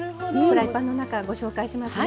フライパンの中ご紹介しますね。